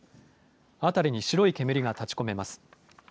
辺りに白い煙が立ちこめます。